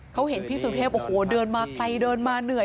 เขาเห็นพี่สุเทพโอ้โหเดินมาไกลเดินมาเหนื่อย